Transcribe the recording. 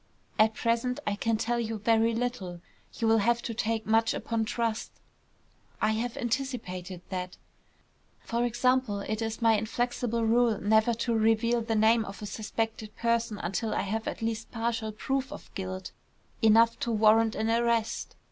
At present I can tell you very little. You will have to take much upon trust." "I have anticipated that." "For example, it is my inflexible rule never to reveal the name of a suspected person until I have at least partial proof of guilt, enough to warrant an arrest.